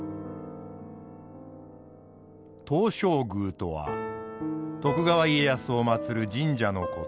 東照宮とは徳川家康を祭る神社のこと。